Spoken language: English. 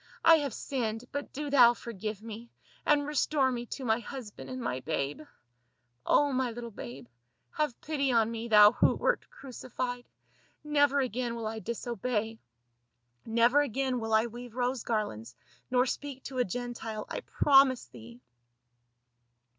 I have sinned, but do thou forgive me, and restore me to my husband and my babe — Oh, my little babe. Have pity on me, thou who wert crucified. Never again will I dis obey ; never again will I weave rose garlands, nor speak to a Gentile. I promise thee."